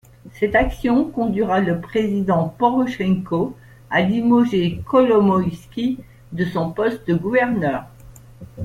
Cette action conduira le président Porochenko a limoger Kolomoïsky de son poste de gouverneur.